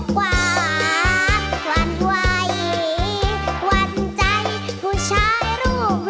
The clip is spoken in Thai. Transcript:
อกกว่าหวั่นไหวหวั่นใจผู้ชายรูปหลอก